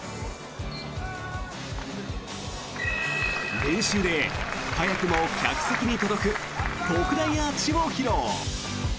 練習で早くも客席に届く特大アーチを披露。